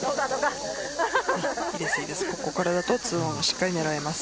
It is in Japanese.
ここからだと２オンをしっかり狙えます。